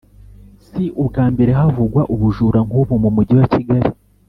si ubwa mbere havugwa ubujura nk’ubu mu mujyi wa kigali,